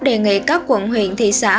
đề nghị các quận huyện thị xã